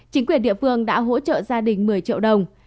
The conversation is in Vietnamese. chính quyền địa phương đã hỗ trợ gia đình một mươi triệu đồng